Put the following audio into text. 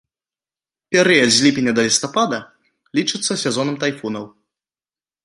Перыяд з ліпеня да лістапада лічыцца сезонам тайфунаў.